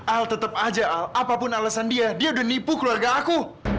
al tetep aja apapun alasan dia dia udah nipu keluarga aku